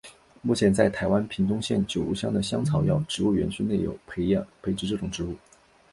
目前在台湾屏东县九如乡的香药草植物园区内有培植这种植物。